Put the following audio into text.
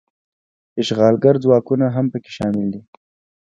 اشغالګر ځواکونه هم پکې شامل دي.